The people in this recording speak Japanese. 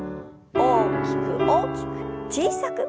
大きく大きく小さく。